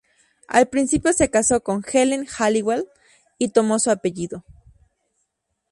Al principio se casó con Allen Halliwell y tomó su apellido.